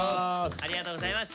ありがとうございます。